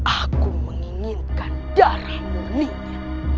aku menginginkan darah murninya